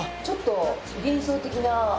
ちょっと幻想的な。